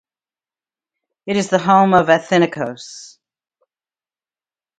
It is the home of Athinaikos.